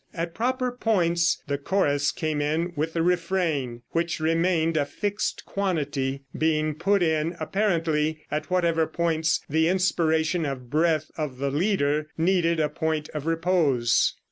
At proper points the chorus came in with the refrain, which remained a fixed quantity, being put in, apparently, at whatever points the inspiration or breath of the leader needed a point of repose.